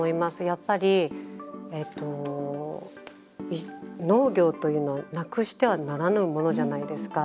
やっぱり、農業というのをなくしてはならぬものじゃないですか。